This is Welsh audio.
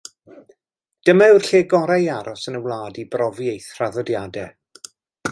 Dyma yw'r lle gorau i aros yn y wlad i brofi ei thraddodiadau.